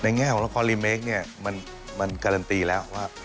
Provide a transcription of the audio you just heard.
แง่ของละครรีเมคเนี่ยมันการันตีแล้วว่า